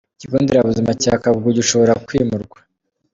Ikigo Nderabuzima cya Kagugu gishobora kwimurwa